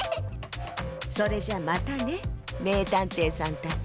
それじゃまたねめいたんていさんたち。